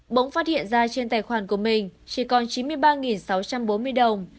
bỗng phát hiện ra trên tài khoản của mình chỉ còn chín mươi ba sáu trăm bốn mươi đồng